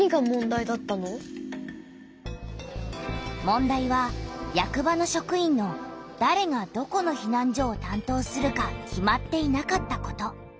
問題は役場の職員のだれがどこのひなん所をたんとうするか決まっていなかったこと。